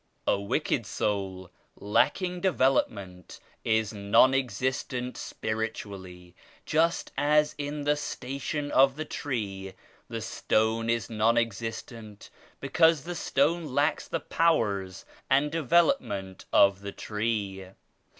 A wicked soul, lacking development, is non ex istent spiritually, just as in the station of the 22 tree, the stone is non existent, because the stone lacks the powers and development of the tree.